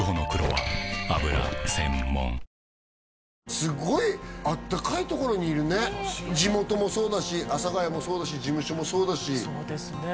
すごいあったかい所にいるね地元もそうだし阿佐ヶ谷もそうだし事務所もそうだしそうですね